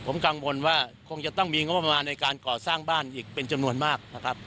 ผมกังวลว่าคงจะต้องมีงบประมาณในการก่อสร้างบ้านอีกเป็นจำนวนมากนะครับ